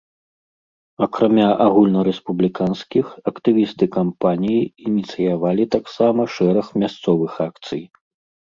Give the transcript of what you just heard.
Акрамя агульнарэспубліканскіх, актывісты кампаніі ініцыявалі таксама шэраг мясцовых акцый.